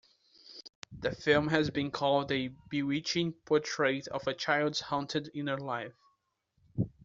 The film has been called a "bewitching portrait of a child's haunted inner life".